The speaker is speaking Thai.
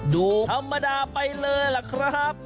ดูธรรมดาไปเลยล่ะครับ